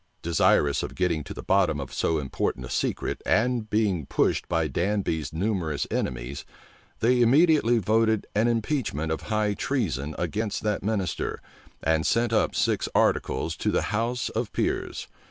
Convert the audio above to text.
Desirous of getting to the bottom of so important a secret, and being pushed by Danby's numerous enemies, they immediately voted an impeachment of high treason against that minister, and sent up six articles to the house of peers.